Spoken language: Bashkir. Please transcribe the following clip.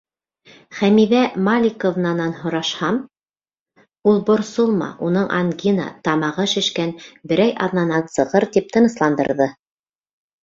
Хәмиҙә Маликовнанан һорашһам, ул, борсолма, уның ангина, тамағы шешкән, берәй аҙнанан сығыр, тип тынысландырҙы.